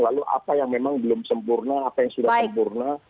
lalu apa yang memang belum sempurna apa yang sudah sempurna